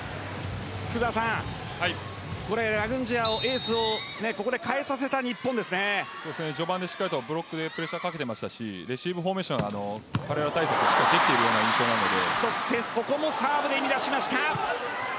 福澤さんラグンジヤ、エースを序盤でしっかりとブロックでプレッシャーをかけていましたしレシーブフォーメーションはできているような印象なので。